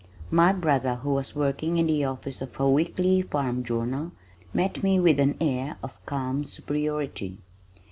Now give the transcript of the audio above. My brother, who was working in the office of a weekly farm journal, met me with an air of calm superiority.